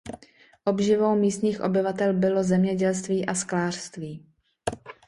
Obživou místních obyvatel bylo zemědělství a sklářství.